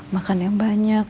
makan yang banyak